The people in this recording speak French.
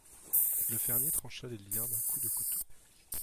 Le fermier trancha les liens d'un coup de couteau.